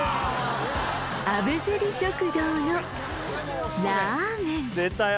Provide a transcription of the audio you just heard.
あぶずり食堂のラーメン